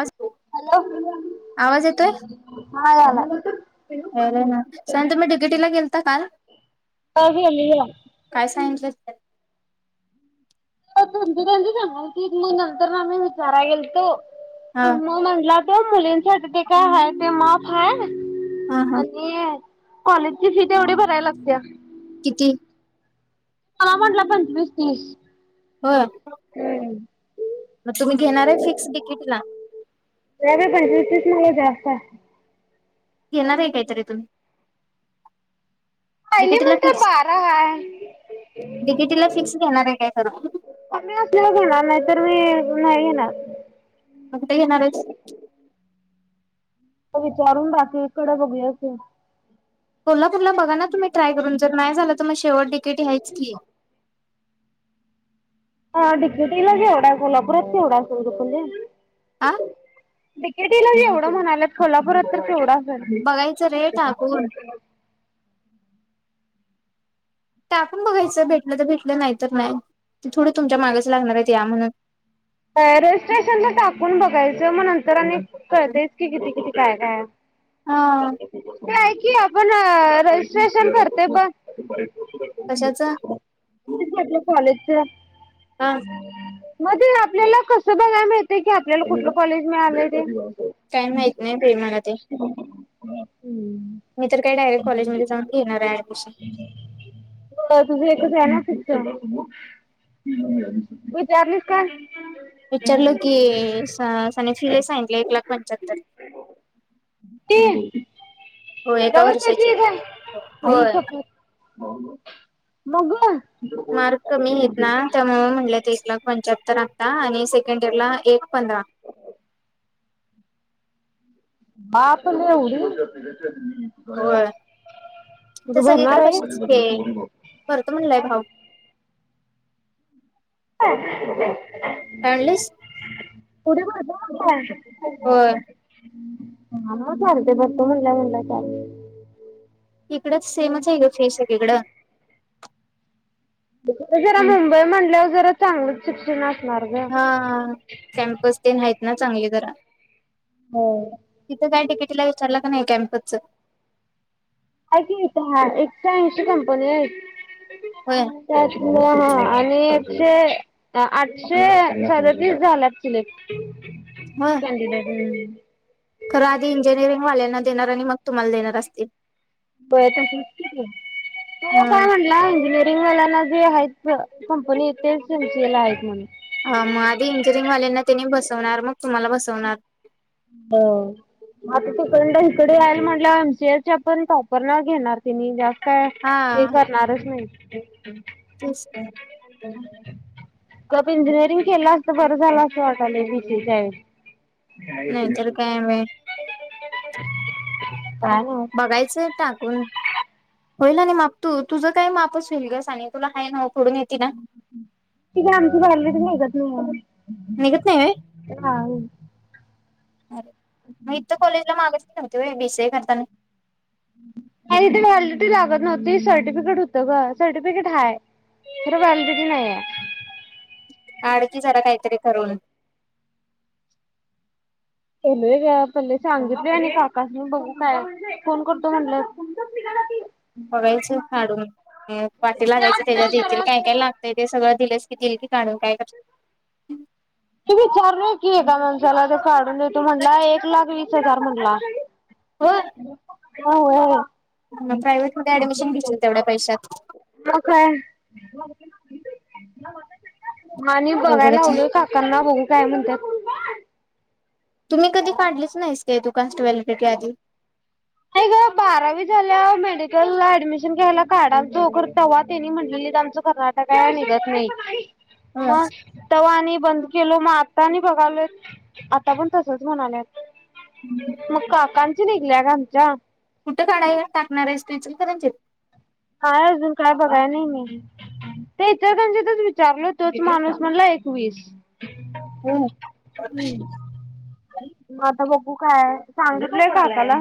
आज hello [unintelligible] [inaudible] hi यालाय यायलाय ना सांग तुम्ही डिकेटीला गेलता काल [unintelligible] काय सांगितलं [unintelligible] नंतर न आमी विचाराय गेलतो हा आ म म्हणलं आ ते मुलींसाठी ते काय हाय ते माफ हाय हा हा आणि कॉलेज फी तेवढी भराय लागत्या. किती मला म्हटला पंचवीस, तीस होय हम् म तुम्ही घेणाराय फिक्स डी के टी ला? त्या ग पंचवीस तीस [unintelligible] जास्त हाय. येेणार हाय कायतरी तुम् पहिली म्हणंत बारा हाय. [inaudible] डिकेटीला फिक्स घेणार आहे काय खरं कमी असल्याव घेणार नाहीतर मी हो नाही घेणारं मग कुठं घेणार हाईस? प विचारून बाकीकडं बघुया की कोल्हापूरला बघा ना तुम्ही ट्राय करून जर नाही झाल तर मग शेवट डी के टी आहेच की हा डी के टी लाच एवढं हाय कोल्हापुरात केवढं असलं ग पल्ले आं डी के टी ला एवढं म्हणाल्यात कोल्हापुरात तर केवढ आस बघायचं रे टाकून [unintelligible] टाकून बघायचं भेटलं तर भेटलं नाही तर नाही ते थोडं तुमच्या मागच लागणार आहेत या म्हणून [unintelligible] रजिस्ट्रेशन ला टाकून बघायचं म नंतर आणि कळतयच की किती किती? काय काय? हा [inaudible] कि आपण अं रजिस्ट्रेशन करतोय ब कशाच आपल्या हा म ते आपल्याला कसं बघाय मिळतय की आपल्याला कुठंल कॉलेज मिळालय? काय माहित नाही बाई मला ते [inaudible] मी तर काय डायरेक्ट कॉलेजमध्ये जाऊन घेणाराय ऍडमिशन तर तु एकच हाय ना फिक्स, विचारलीस काय? विचारलो की स साने फी लय सांगितलं एक लाख पंच्यांतर वर्षाची. [unintelligible] होय हो मग मार्क कमी आहेत ना त्यामुळे म्हटले एक लाख पंच्याहत्तर आणि सेकंड इयरला एक पंधरा बापरे एवढी होय तर तू भरणार सगळीकडे आहे कशीच हे करत म्हणलंय भाऊ हा काय म्हटलीस [unintelligible] होय भरतोय म्हणल्यावर चालतंय इकडंच सेमच आहे ग फी इकडं. जरा मुंबई म्हणल्यावर जरा चांगलंच शिक्षण अस. हा कॅम्पस ते नाहीत ना चांगले जरा तिथं काही डी के टी विचारलं का नाही कॅम्पसच. हाय की एकशे ऐंशी कंपनी आहेत. होय. त्या हा आणि आठशे आठशे सदतीस झाल्यात सिलेक्ट होय [unintelligible] खरं आधी इंजिनिअरिंग वाल्यांना देणार आणि मग तुम्हाला देणार असतील. तो मग काय म्हटला इंजिनिअरिंग मला ना जे आहेत. कंपनी येथे एमसी ए ला आहेत म्हणून मग आधी इंजिनिअरिंग वाल्यांना त्यांनी बसवणार मग तुम्हाला बसवणार. हा. आता तिकडड इकडे याला म्हटलं एमसीएर पण टॉपर न घेणार ति जास्त का हा हे करणारच नाही. तेच [unintelligible] गप इंजिनिअरिंग केलं असत बरं झालं असं वाटलं बी सी नाही तरर कायम बाई. [unintelligible] बघायचंय टाकून. होईला नाही माप तू तुझं काय मापच होलगस आणि तुला काय न तिथे आमची भरलेत नाही ओ. निघत नाही व्हय हा. अरे मग इथ कॉलेजला मागायचली नव्हती बीसीए करताना आणि तिथे व्हॅलिडिटी लागत नव्हती सर्टिफिकेट होत ग सर्टिफिकेट हाय. खरं व्हॅलिडीटी नाहीये. आणडखी जरा काहीतरी करून बलय ग पल्ले सांगितले आणि काकास म बघू काय फोन करतो म्हटलं. बघायचं काडून वाटी लागायचं त्याच्या देथतील काय काय लागतय ते सगळं दिलंस. किती कि काढून काय कर. तू विचार न की ए माणसाला ते काढून देतो म्हणला एक लाख वीस हजार म्हणला. हो हो ये. मग प्रायव्हेट मध्ये ऍडमिशन घेशील तेवढ्या पैशात ह काय? आणि नी अवघडच आहे बघायल काका ह बघू काय म्हणतात. तुम्ही कधी पाडलेच नाहीस का कास्ट व्हॅलेडीटी आदी नाही ग बारावी झाल्या मेडिकलला ऍडमिशन घ्यायला कार्डाच उतो. त्यांनी म्हणलेली आमचं आता काय निघत नाही होय मग तवा आणि बंद केलो मग आता बघालोय आता पण तसंच म्हणालय मग काकांची निघल्या ग आमच्या कुठं काढाया टाकणार आहेस इचलकरंजीत काय अजून काय बघाय नाही मी ते इचलकरंजीतच विचारलो तोच माणूस म्हणला एकवीस हो. हम्म आता बघ तु काय सांगितलंय काकाला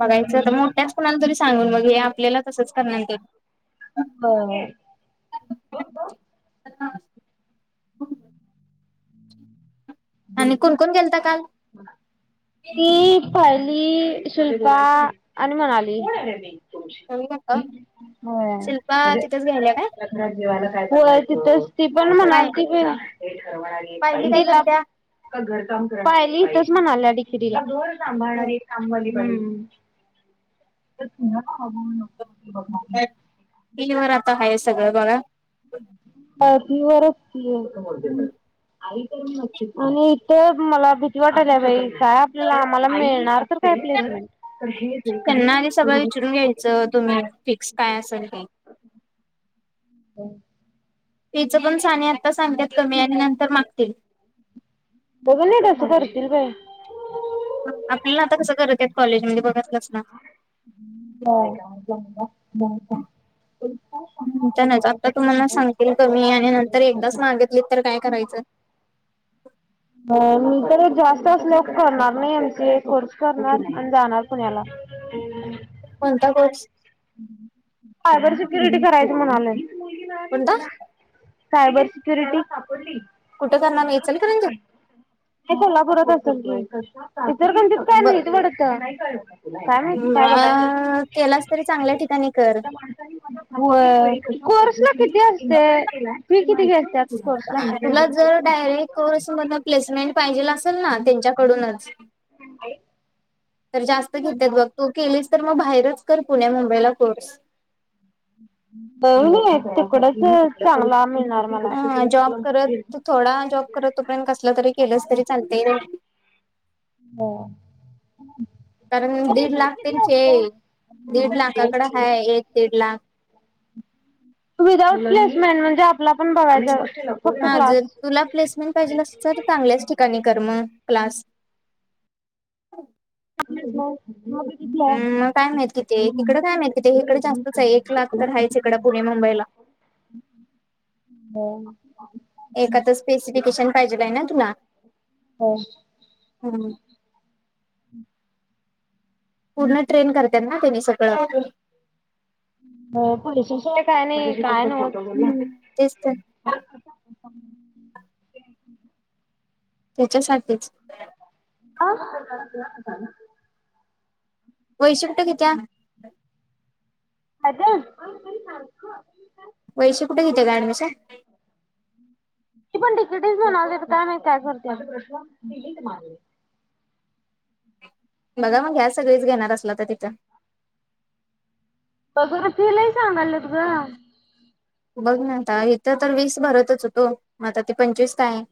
बघायचं आता मोठ्याच कुणाला तरी सांगून मग हे आपल्याला तसंच करणार ते बरं [unintelligible] आणि कोण कोण गेलता काल? तुम्ही ती ली शिल्पा आणि मनाली होय. शिल्पा तिथेच घ्यायल्या काय? [unintelligible] होय तिथेच ती पण पाय म्हणायती कि [unintelligible] पायली काय तिला करत्या? पायली इथंच म्हणायली डिकेटीला [unintelligible] संभाळणारी एक कामवाली बाई हम्म हम्म हे व आता आहे सगळं बघ [unintelligible] अ ती टीव्हीवरच कि [unintelligible] आणि इथं मला भीती वाटाली आहे बाई काय आपल्याला आम्हाला मिळणार तर [unintelligible] [unintelligible] त्यांना आणि सगळं विचारून घ्यायचं तुम्ही फिक्स काय असल ते [inaudible] हो. तिचं पण साने आत्ता सांगतात कमी आणि नंतर कमी आणि नंतर मागतील बघून एक तसं करतील बाई आपल्याला आता कसं करत आहेत कॉलेजमध्ये बघतलंस ना? हो जाऊ जाऊ का? त्या नाच, आता तुम्हाला सांगतील कमी आणि नंतर एकदाच मागितली तर काय करायचं? [inaudible] मी तर जास्त असं असल्यावर, करणार नाही एमसीए कोर्स करणार आणि जाणार पुण्याला कोणता कोर्स सायबर सिक्युरिटी करायचं म्हणायलो कोणता? सायबर सिक्युरिटी कुठे करणार इचलकरंजीत? इचलकरंजी नाहीत ब वाटत [unintelligible] काय माहित काय बघायला नाही अ केलास तरी चांगल्या ठिकाणी कर. होय, कोर्स ना किती असतें किती घेतात? तुला जर डायरेक्ट कोर्समधून प्लेसमेंट पाहिजे असेल ना त्यांच्याकडूनच तर जास्त घेतात बघ, तू केलीस तर मग बाहेरच पुण्या मुंबईला कोर्स तिकडचं चांगला मिळणार मला हा जॉब करत, थोडा जॉब करत, तोपर्यंत कसलं तरी केलंच तरी चालतेय होय. कारण दीड लाख त्यांचे दीड लाखाकड एक दीड लाख वि दाउट प्लेसमेंट म्हणजे आपला पण बघायचं हा जर तुला प्लेसमेंट पाहिजेल तर चांगल्याच ठिकाणी कर मग क्लास हो [unintelligible] मग काय माहीत, किती ये तिकडं काय माहित, इकडे काय माहीत इकडं जास्तच आहे एक लाख तर हायच इकडं पुणे मु मुंबईला. एकातचं स्पेसिफिकेशन पाहिजे आहे ना तुला? हो. पूर्ण ट्रेन करत्यात ना त्यांनी सगळं अ पोलिसांशिवाय काय नाही काय नव्हच हम्म तेच तर [unintelligible] त्याच्यासाठीच. हा [unintelligible] वैशी कुठं घेतल्या [unintelligible] अग [unintelligible] वैशी कुठे घेत्या ग ऍडमिशन ती पण डीकेटी चं म्हणालती काय माहित काय करत्या बघा मग घ्या सगळीचं घेणार असलां तर तिथं फी लई सांगाल्यात ग बघ ना आता इथं तर वीस भरतच होतो मग आता ते पंचवीस काय [inaudible]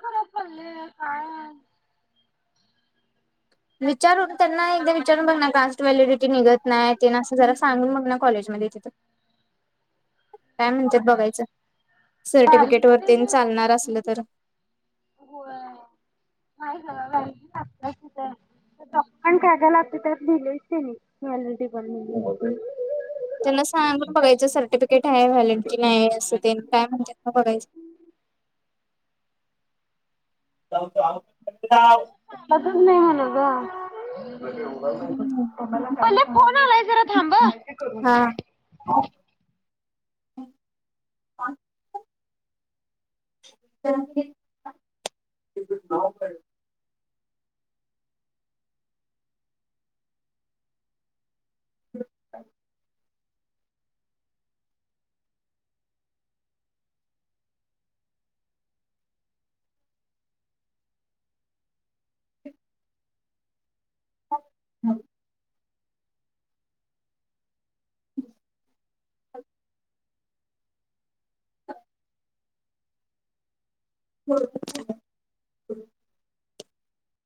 खरा पले काय विचारून त्यांना एकदा विचारून बघ ना कास्ट व्हॅलिडिटी निघत नाही तेन असं जरा सांगून बघ ना कॉलेज मध्ये तिथं काय म्हणत्यात बघायचं सर्टिफिकेट वर तेन चालणार असलं तर हो मा स तिथ [inaudible] डॉक्युमेंट काय काय लागत्यात त्यात लिहिलंय की व्हालिडिटी त्यांना सांगुन बघायचं सर्टिफिक फिकीट हाय व्हॅलिडिटी नाही असं तेन काय म्हणत्यात बघायचं [inaudible] कळतच नाही होल का [inaudible] पले फोन आलाय जरा थांब हं ओ [inaudible] हम् हम हो